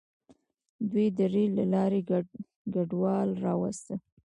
دوی د ریل له لارې کډوال راوستل.